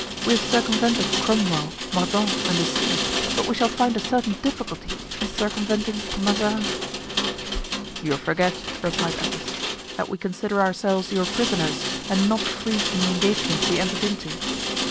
We have circumvented Cromwell, Mordaunt, and the sea, but we shall find a certain difficulty in circumventing Mazarin." "You forget," replied Athos, "that we consider ourselves your prisoners and not free from the engagement we entered into."